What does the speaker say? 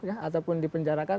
ya ataupun dipenjarakan